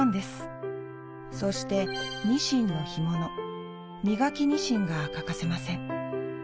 そしてニシンの干物身欠きニシンが欠かせません。